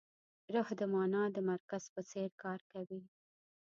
روح د مانا د مرکز په څېر کار کوي.